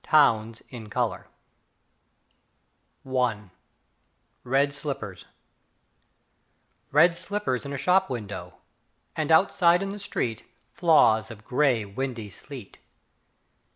Towns in Colour I Red Slippers Red slippers in a shop window, and outside in the street, flaws of grey, windy sleet!